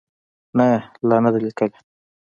نه، لا نه ده لیکلې